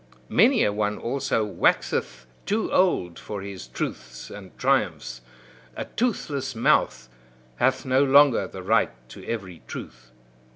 Many a one, also, waxeth too old for his truths and triumphs; a toothless mouth hath no longer the right to every truth.